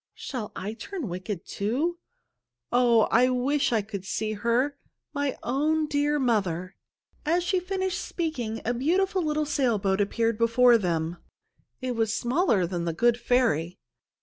Shall I turn wicked, too? Oh, I wish I could see her my own dear mother!" As she finished speaking, a beautiful little sail boat appeared before them. It was smaller than The Good Ferry.